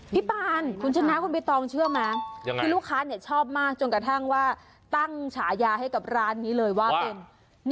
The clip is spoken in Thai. ปานคุณชนะคุณใบตองเชื่อไหมคือลูกค้าชอบมากจนกระทั่งว่าตั้งฉายาให้กับร้านนี้เลยว่าเป็น